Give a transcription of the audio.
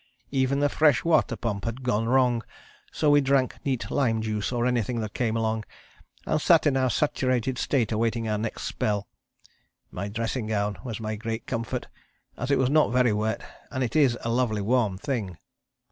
Even the fresh water pump had gone wrong so we drank neat lime juice, or anything that came along, and sat in our saturated state awaiting our next spell. My dressing gown was my great comfort as it was not very wet, and it is a lovely warm thing.